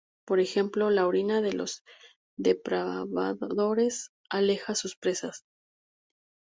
Por ejemplo, la orina de los depredadores aleja sus presas.